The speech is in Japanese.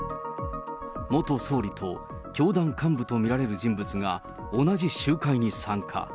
元総理と教団幹部と見られる人物が、同じ集会に参加。